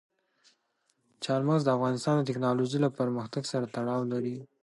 چار مغز د افغانستان د تکنالوژۍ له پرمختګ سره تړاو لري.